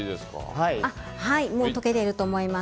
もう溶けていると思います。